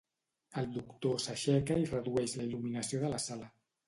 El doctor s'aixeca i redueix la il·luminació de la sala.